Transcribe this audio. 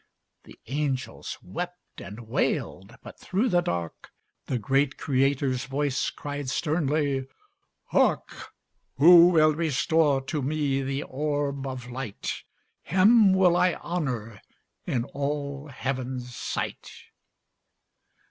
The angels wept and wailed; but through the dark The Great Creator's voice cried sternly: "Hark! Who will restore to me the orb of Light, Him will I honour in all heaven's sight."